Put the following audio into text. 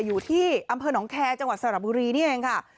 อยู่ที่อำเภอหนองแคร์จังหวัดสระบุรีนี่เองค่ะ